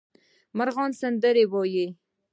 مرغان سندرې وايي